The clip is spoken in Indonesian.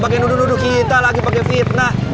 pakai nuduh nuduh kita lagi pakai fitnah